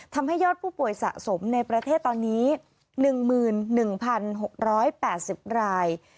ทำให้ยอดผู้ป่วยสะสมในประเทศตอนนี้๑๑๖๘๐ราย